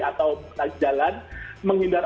atau berjalan menghindar